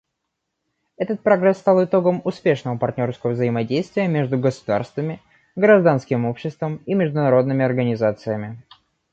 Этот прогресс стал итогом успешного партнерского взаимодействия между государствами, гражданским обществом и международными организациями.